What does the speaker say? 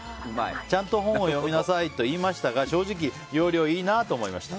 ちゃんと本を読みなさいと言いましたが正直、要領いいなと思いました。